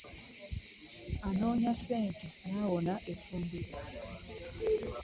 Onoonya ssente n'owona effumbiro.